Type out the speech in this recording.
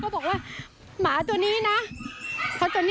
ประมาณเกือบ๖๐ตัว